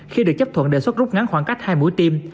khi được chấp thuận đề xuất rút ngắn khoảng cách hai mũi tiêm